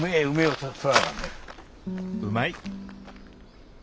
うまい！